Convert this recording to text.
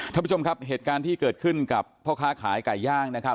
ท่านผู้ชมครับเหตุการณ์ที่เกิดขึ้นกับพ่อค้าขายไก่ย่างนะครับ